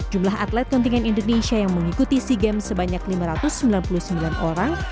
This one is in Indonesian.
jumlah atlet kontingen indonesia yang mengikuti sea games sebanyak lima ratus sembilan puluh sembilan orang